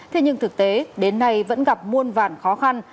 thế nhưng thực tế đến nay vẫn gặp muôn vàn khó khăn